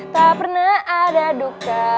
tak pernah ada duka